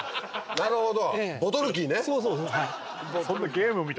なるほど。